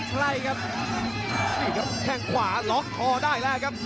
นายโชพที่โชพรุนภีร์ก็ไม่ได้ครับ